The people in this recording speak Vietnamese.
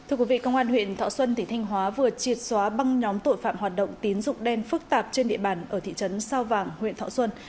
thưa quý vị công an huyện thọ xuân tỉnh thanh hóa vừa triệt xóa băng nhóm tội phạm hoạt động tín dụng đen phức tạp trên địa bàn ở thị trấn sao vàng huyện thọ xuân